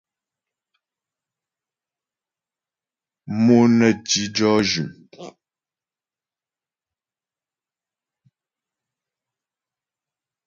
Mo nə ti jɔ́ jʉm.